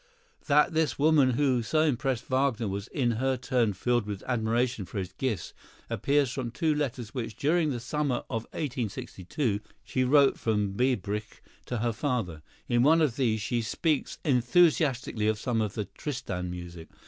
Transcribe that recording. That this woman who so impressed Wagner was in her turn filled with admiration for his gifts appears from two letters which, during the summer of 1862, she wrote from Biebrich to her father. In one of these she speaks enthusiastically of some of the "Tristan" music.